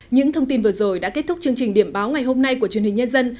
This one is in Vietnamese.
những thông tin vừa rồi đã kết thúc chương trình điểm báo ngày hôm nay của truyền hình nhân dân